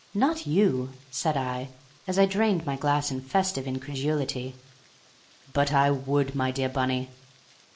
"Not you," said I, as I drained my glass in festive incredulity. "But I would, my dear Bunny.